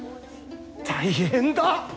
大変だ！